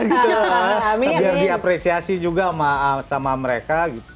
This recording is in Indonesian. biar diapresiasi juga sama mereka